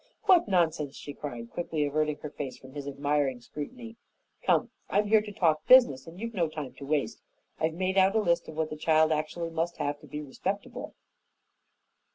"What nonsense!" she cried, quickly averting her face from his admiring scrutiny. "Come, I'm here to talk business and you've no time to waste. I've made out a list of what the child actually must have to be respectable."